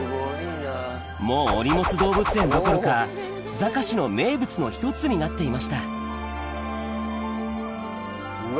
もうお荷物動物園どころか須坂市の名物の１つになっていましたうわ